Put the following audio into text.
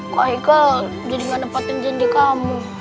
kak haikal jadi gak dapetin jendik kamu